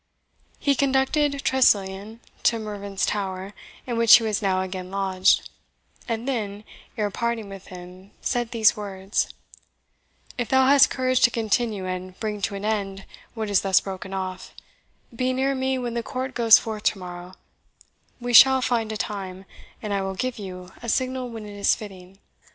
He conducted Tressilian to Mervyn's Tower, in which he was now again lodged; and then, ere parting with him, said these words, "If thou hast courage to continue and bring to an end what is thus broken off, be near me when the court goes forth to morrow; we shall find a time, and I will give you a signal when it is fitting."